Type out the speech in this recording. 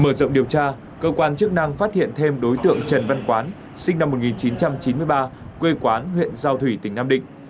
mở rộng điều tra cơ quan chức năng phát hiện thêm đối tượng trần văn quán sinh năm một nghìn chín trăm chín mươi ba quê quán huyện giao thủy tỉnh nam định